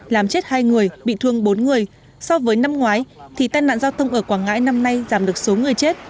làm chết hai người bị thương bốn người so với năm ngoái thì tai nạn giao thông ở quảng ngãi năm nay giảm được số người chết